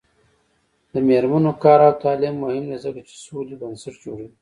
د میرمنو کار او تعلیم مهم دی ځکه چې سولې بنسټ جوړوي.